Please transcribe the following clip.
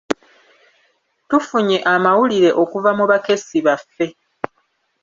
Tufunye amawulire okuva mu bakessi baffe